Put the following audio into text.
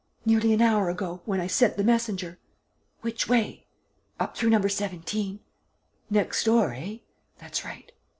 "Nearly an hour ago; when I sent the messenger." "Which way?" "Up through number seventeen." "Next door, eh?" "That's right."